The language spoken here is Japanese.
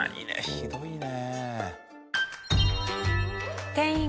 ひどいね。